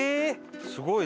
すごいね。